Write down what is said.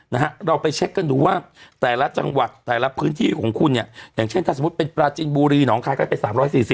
นะฮะเราไปเช็คกันดูว่าแต่ละจังหวัดแต่ละพื้นที่ของคุณเนี่ยอย่างเช่นถ้าสมมุติเป็นปลาจินบุรีหนองคายก็จะไปสามร้อยสี่สิบ